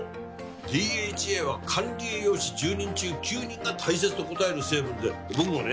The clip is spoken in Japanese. ＤＨＡは管理栄養士１０人中９人が大切と答える成分で僕もね